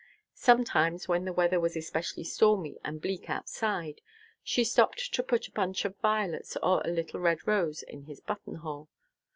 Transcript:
Sometimes when the weather was especially stormy and bleak outside, she stopped to put a bunch of violets or a little red rose in his button hole.